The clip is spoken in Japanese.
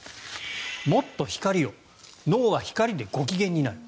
「もっと光を脳は光でご機嫌になる」。